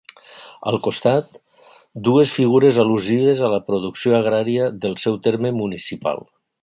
Al costat, dues figures al·lusives a la producció agrària del seu terme municipal.